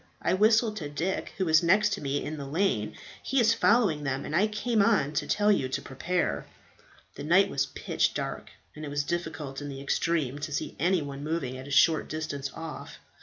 I whistled to Dick, who was next to me in the lane. He is following them, and I came on to tell you to prepare." The night was pitch dark, and it was difficult in the extreme to see any one moving at a short distance off.